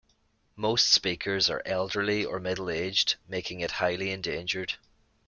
Most speakers are elderly or middle-aged, making it highly endangered.